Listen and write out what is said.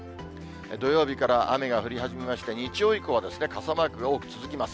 土曜日から雨が降り始めまして、日曜以降は傘マークが多く続きます。